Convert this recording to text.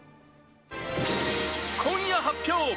今夜発表！